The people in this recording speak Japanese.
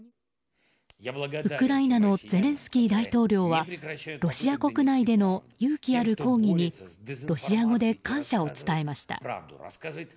ウクライナのゼレンスキー大統領はロシア国内での勇気ある抗議にロシア語で感謝を伝えました。